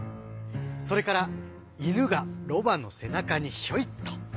それからイヌがロバのせなかにひょいっと。